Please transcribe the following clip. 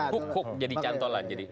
hook hook jadi cantolan